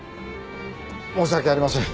申し訳ありません！